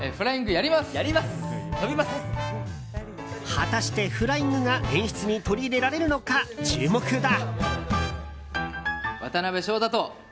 果たして、フライングが演出に取り入れられるのか注目だ。